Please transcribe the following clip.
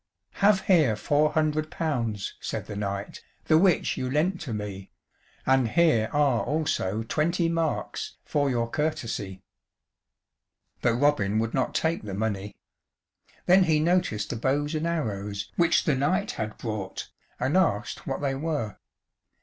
"Have here four hundred pounds," said the knight, "The which you lent to me; And here are also twenty marks For your courtesie." But Robin would not take the money. Then he noticed the bows and arrows which the knight had brought, and asked what they were.